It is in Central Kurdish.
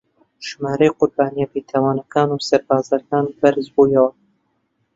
ژمارەی قوربانییە بێتاوانەکان و سەربازەکان بەرز بوویەوە